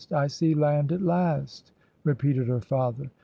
"' 'I see land at last!' repeated her father.